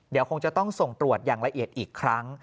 เดี๋ยวคงจะต้องส่งตรวจอย่างละเอียดอีกครั้ง